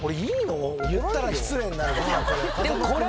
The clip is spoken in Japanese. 言ったら失礼になるなこれ。